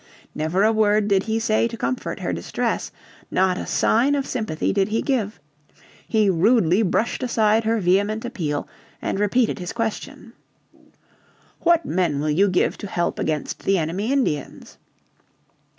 Never a word did he say to comfort her distress, not a sign of sympathy did he give. He rudely brushed aside her vehement appeal, and repeated his question. "What men will you give to help against the enemy Indians?"